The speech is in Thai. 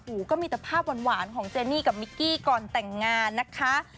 โอ้โหก็มีแต่ภาพหวานของเจนี่กับมิกกี้ก่อนแต่งงานนะคะ